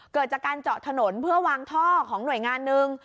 เกิดจากการเจาะถนนเพื่อวางท่อของหน่วยงานหนึ่ง